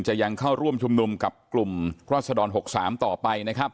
จะยังเข้าร่วมชุมนุมกับกลุ่มรสดร๖๓ต่อไป